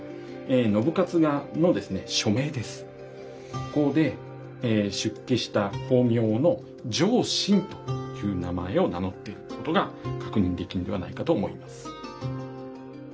ここで出家した法名の常真という名前を名乗っていることが確認できるのではないかと思います。